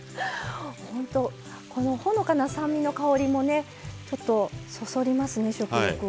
ほんとこのほのかな酸味の香りもねちょっとそそりますね食欲を。